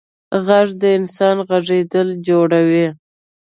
غږ د انسان غږېدل جوړوي.